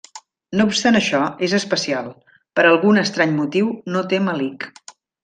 No obstant això, és especial, per algun estrany motiu no té melic.